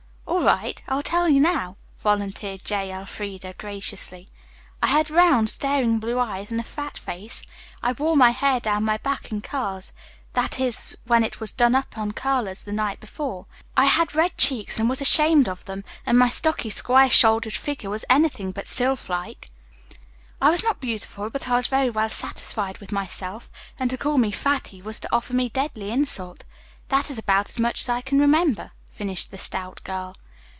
"All right. I'll tell you now," volunteered J. Elfreda graciously. "I had round, staring blue eyes and a fat face. I wore my hair down my back in curls that is, when it was done up on curlers the night before and it was almost tow color. I had red cheeks and was ashamed of them, and my stocky, square shouldered figure was anything but sylphlike. I was not beautiful, but I was very well satisfied with myself, and to call me 'Fatty' was to offer me deadly insult. That is about as much as I can remember," finished the stout girl.